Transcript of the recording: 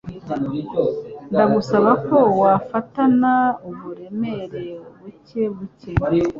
Ndagusaba ko wafatana uburemere buke buke.